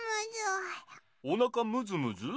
おなかむずむず？